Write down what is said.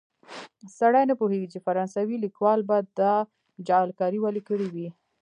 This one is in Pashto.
سړی نه پوهېږي چې فرانسوي لیکوال به دا جعلکاري ولې کړې وي.